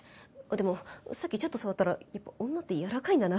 「でもさっきちょっと触ったらやっぱ女ってやわらかいんだな。